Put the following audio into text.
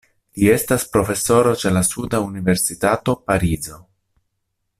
Li estas profesoro ĉe la suda universitato Parizo.